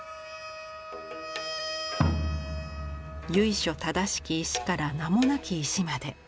由緒正しき石から名もなき石まで。